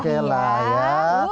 oke lah ya